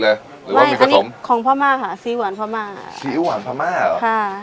หรือว่ามีผสมไม่อันนี้ของพม่าค่ะซีอิ๊วหวานพม่าซีอิ๊วหวานพม่าเหรอค่ะ